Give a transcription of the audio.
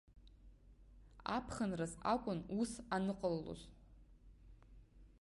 Аԥхынраз акәын ус аныҟалалоз.